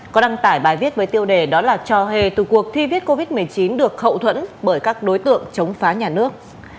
có đăng tải bài viết với tiêu đề đó là cho hề từ cuộc thi viết covid một mươi chín được hậu thuẫn bởi các đối tượng chống phá nhà nước